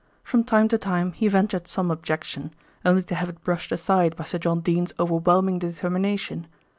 From time to time he ventured some objection, only to have it brushed aside by Sir John Dene's overwhelming determination.